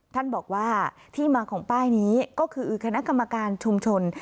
ท่านบอกว่าที่มาของป้ายนี้ก็คือคณะกรรมการชุมชน